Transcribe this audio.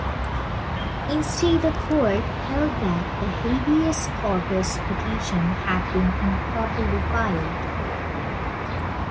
Instead, the Court held that the "habeas corpus" petition had been improperly filed.